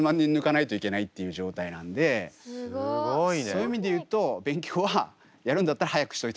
そういう意味で言うと勉強はやるんだったら早くしといた方がいいよっていう。